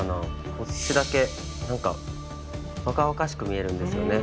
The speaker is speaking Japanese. こっちだけ若々しく見えるんですよね。